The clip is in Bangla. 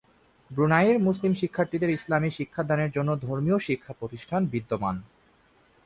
ব্রুনাইয়ের মুসলিম শিক্ষার্থীদের ইসলামি শিক্ষা দানের জন্য ধর্মীয় শিক্ষা প্রতিষ্ঠান বিদ্যমান।